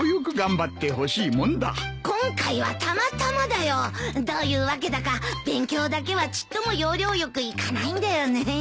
今回はたまたまだよ。どういうわけだか勉強だけはちっとも要領良くいかないんだよねえ。